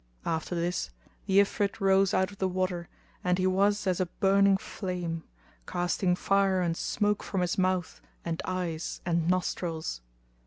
After this the Ifrit rose out of the water, and he was as a burning flame; casting fire and smoke from his mouth and eyes and nostrils.